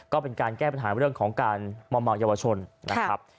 ก็เป็นการแก้ปัญหาเรื่องของการมอมเมาเยาวชนนะครับ